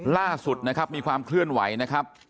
ล่าสุดนะครับมีความเคลื่อนไหวนะครับ